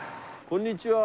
こんにちは。